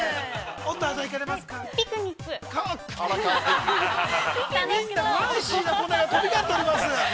◆ファンシーな答えが飛び交っております。